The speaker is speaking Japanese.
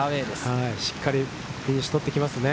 しっかりフィニッシュを取ってきますね。